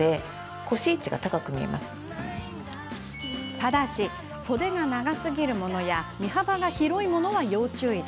ただし、袖が長すぎるものや身幅が広いものは要注意。